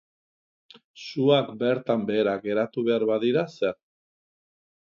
Suak bertan behera geratu behar badira, zer?